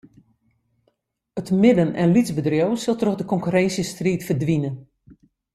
It midden- en lytsbedriuw sil troch de konkurrinsjestriid ferdwine.